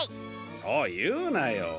そういうなよ。